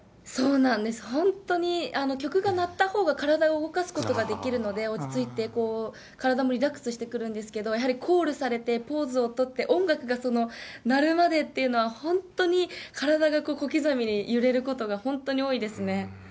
そうなんです、本当に曲が鳴ったほうが体を動かすことができるので、落ち着いてこう、体もリラックスしてくるんですけど、やはりコールされてポーズを取って、音楽が鳴るまでっていうのは、本当に体が小刻みに揺れることが本当に多いですね。